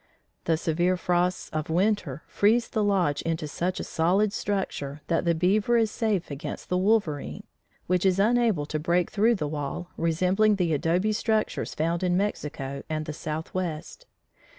The severe frosts of winter freeze the lodge into such a solid structure that the beaver is safe against the wolverine, which is unable to break through the wall, resembling the adobe structures found in Mexico and the Southwest.